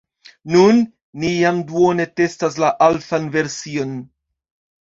Nun, ni jam duone testas la alfan version